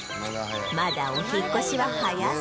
まだお引っ越しは早そう